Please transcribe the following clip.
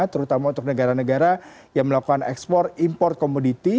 terutama untuk negara negara yang melakukan ekspor import komoditi